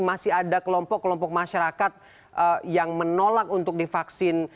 masih ada kelompok kelompok masyarakat yang menolak untuk divaksin